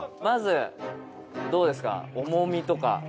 「まずどうですか？